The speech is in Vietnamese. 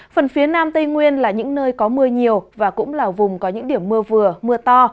phần phía nam tây nguyên là những nơi có mưa nhiều và cũng là vùng có những điểm mưa vừa mưa to